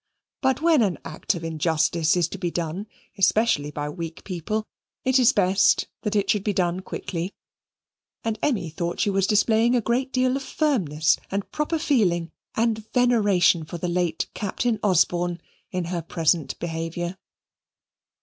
But when an act of injustice is to be done, especially by weak people, it is best that it should be done quickly, and Emmy thought she was displaying a great deal of firmness and proper feeling and veneration for the late Captain Osborne in her present behaviour.